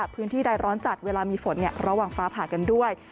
พื้นที่ใดร้อนจัดเวลามีฝนระหว่างฟ้าผ่ากันด้วย